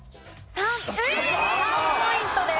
３ポイントです。